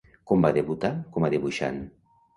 Com va debutar com a dibuixant?